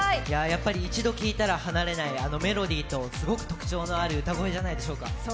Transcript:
やっぱり１度聴いたら離れないメロディーとすごく特徴のある歌声ではないでしょうか。